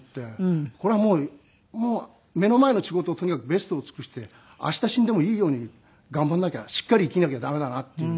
これはもう目の前の仕事をとにかくベストを尽くして明日死んでもいいように頑張らなきゃしっかり生きなきゃダメだなっていう。